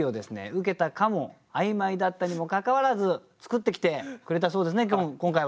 受けたかも曖昧だったにもかかわらず作ってきてくれたそうですね今回は。